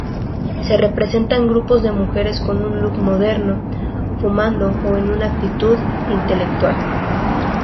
Se representan grupos de mujeres con un look moderno, fumando o en actitud intelectual.